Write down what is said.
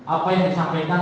apa yang disampaikan